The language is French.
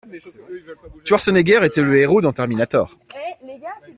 Schwarzenegger était le héros dans Terminator.